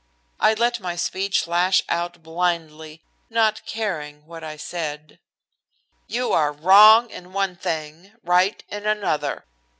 I let my speech lash out blindly, not caring what I said: "You are wrong in one thing right in another.